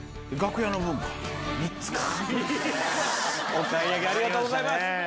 お買い上げありがとうございます！